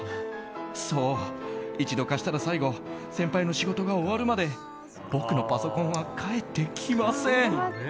そう、一度貸したら最後先輩の仕事が終わるまで僕のパソコンは返ってきません。